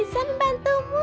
aku bisa membantumu